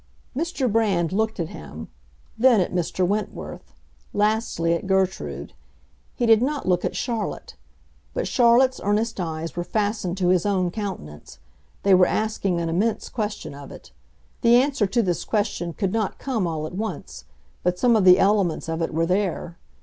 Mr. Brand looked at him; then at Mr. Wentworth; lastly at Gertrude. He did not look at Charlotte. But Charlotte's earnest eyes were fastened to his own countenance; they were asking an immense question of it. The answer to this question could not come all at once; but some of the elements of it were there.